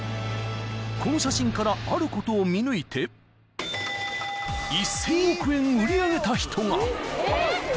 ［この写真からあることを見抜いて１，０００億円売り上げた人が］